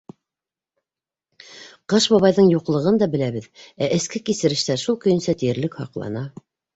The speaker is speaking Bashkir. Ҡыш бабайҙың юҡлығын да беләбеҙ, ә эске кисерештәр шул көйөнсә тиерлек һаҡлана.